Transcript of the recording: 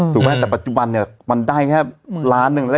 ถูกไหมแต่ปัจจุบันเนี่ยมันได้แค่ล้านหนึ่งแล้ว